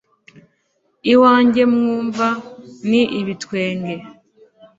iwanjye mwumva ni ibitwenge